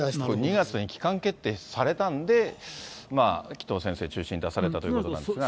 ２月に機関決定されたんで、紀藤先生中心に出されたということなんですが。